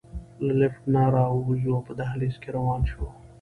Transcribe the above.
له لفټ نه راووځو او په دهلېز کې روان شو.